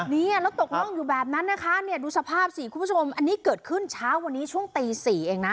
เนี่ยแล้วตกร่องอยู่แบบนั้นนะคะเนี่ยดูสภาพสิคุณผู้ชมอันนี้เกิดขึ้นเช้าวันนี้ช่วงตี๔เองนะ